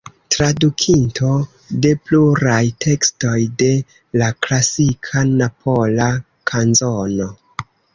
Tradukinto de pluraj tekstoj de la klasika Napola kanzono.